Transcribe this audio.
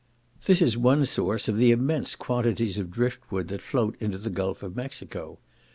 This is one source of the immense quantities of drift wood that float into the gulf of Mexico.